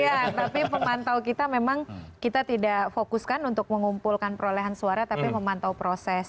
ya tapi pemantau kita memang kita tidak fokuskan untuk mengumpulkan perolehan suara tapi memantau proses